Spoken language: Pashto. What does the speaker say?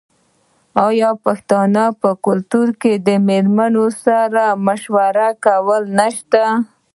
آیا د پښتنو په کلتور کې د میرمنې سره مشوره کول نشته؟